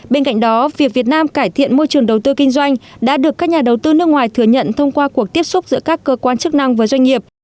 bên cạnh đó việc việt nam cải thiện môi trường đầu tư kinh doanh đã được các nhà đầu tư nước ngoài thừa nhận thông qua cuộc tiếp xúc giữa các cơ quan chức năng với doanh nghiệp